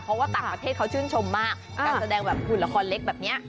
เพราะว่าต่างประเทศเขาชื่นชมมากการแสดงแบบหุ่นละครเล็กแบบนี้